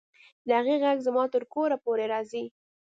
د هغې غږ زما تر کوره پورې راځي